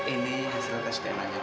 ini hasil tes tn nya